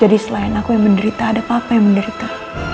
jadi selain aku yang menderita ada papa yang menderita